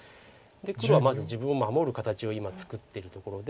黒はまず自分を守る形を今作ってるところで。